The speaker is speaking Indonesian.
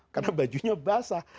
karena bajunya basah